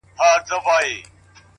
فکر د انسان داخلي نړۍ جوړوي؛